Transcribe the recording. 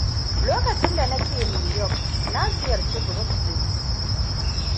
Lokacin da nake New York, na ziyarci Brooklyn.